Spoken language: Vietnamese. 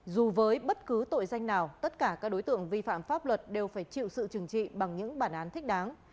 dù với bất cứ tội danh nào tất cả các đối tượng vi phạm pháp luật đều phải chịu sự trừng trị bằng những bản án thích đáng